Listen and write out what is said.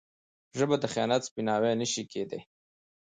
ژبه د خیانت سپیناوی نه شي کېدای.